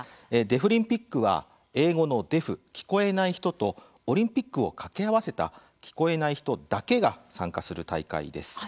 デフリンピックは英語のＤｅａｆ聞こえない人とオリンピックを掛け合わせた聞こえない人だけが参加する大会です。